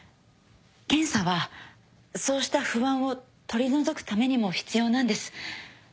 検査はそうした不安を取り除くためにも必要なんです。